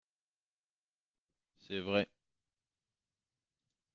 C’est vrai